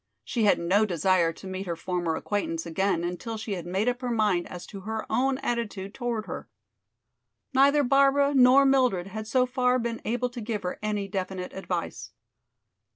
She had no desire to meet her former acquaintance again until she had made up her mind as to her own attitude toward her. Neither Barbara nor Mildred had so far been able to give her any definite advice.